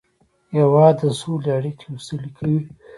هېواد د سولې اړیکې غښتلې کوي.